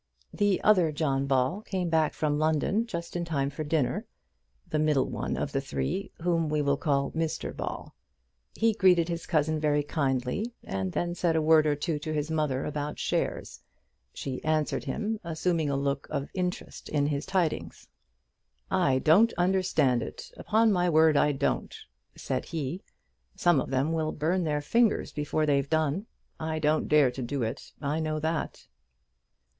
The other John Ball came back from London just in time for dinner the middle one of the three, whom we will call Mr Ball. He greeted his cousin very kindly, and then said a word or two to his mother about shares. She answered him, assuming a look of interest in his tidings. "I don't understand it; upon my word, I don't," said he. "Some of them will burn their fingers before they've done. I don't dare do it; I know that."